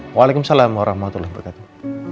waalaikumsalam warahmatullahi wabarakatuh